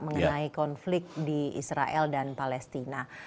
mengenai konflik di israel dan palestina